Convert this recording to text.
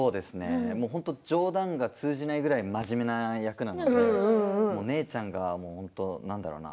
冗談が通じないぐらい真面目な役なのでお姉ちゃんが何だろうな。